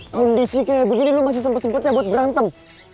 kondisi kayak begini lo masih sempet sempetnya buat berantem